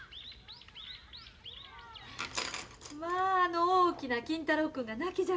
まああの大きな金太郎君が泣きじゃくってな。